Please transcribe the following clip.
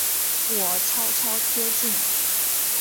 我悄悄贴近